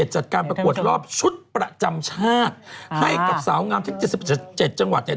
จัดการประกวดรอบชุดประจำชาติให้กับสาวงามทั้ง๗๗จังหวัดเนี่ย